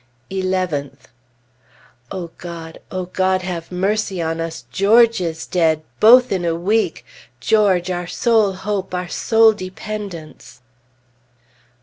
11th. O God, O God, have mercy on us! George is dead! Both in a week. George, our sole hope our sole dependence.